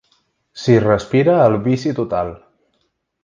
S'hi respira el vici total.